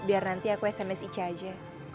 biar nanti aku sms icah aja